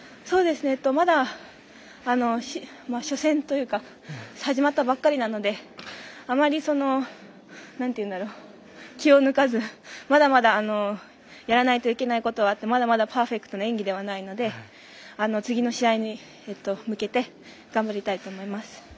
まだ初戦というか始まったばかりなのであまり、気を抜かず、まだまだやらないといけないことがあってまだまだパーフェクトな演技ではないので次の試合に向けて頑張りたいと思います。